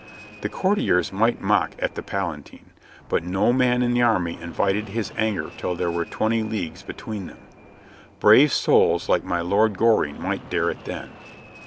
The courtiers might mock at the Palatine, but no man in the army invited his anger till there were twenty leagues between them. Brave souls like my Lord Goring might dare it then.